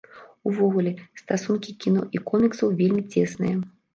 Увогуле, стасункі кіно і коміксаў вельмі цесныя.